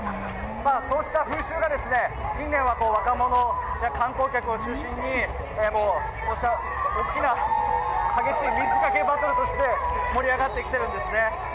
そうした風習が近年は若者や観光客を中心に大きな激しい水かけバトルとして盛り上がってきているんですね。